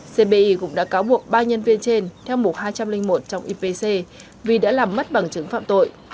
cbi cũng đã cáo buộc ba nhân viên trên theo mục hai trăm linh một trong ipc vì đã làm mất bằng chứng phạm tội